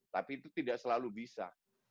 tapi itu tidak selalu bisa